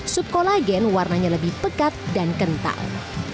sup kolagen warnanya lebih pekat dan kental